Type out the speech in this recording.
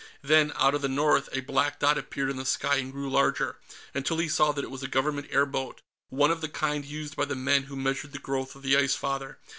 Then, out of the north, a black dot appeared in the sky and grew larger, until he saw that it was a Government airboat one of the kind used by the men who measured the growth of the Ice Father.